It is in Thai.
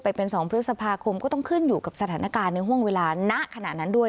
ไปเป็น๒พฤษภาคมก็ต้องขึ้นอยู่กับสถานการณ์ในห่วงเวลาณขณะนั้นด้วย